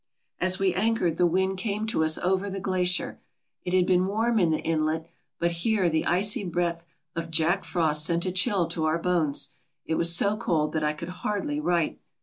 As we anchored the wind came to us over the glacier. It had been warm in the inlet, but here the icy breath of Jack Frost sent a chill to our bones. It was so cold that I could hardly write.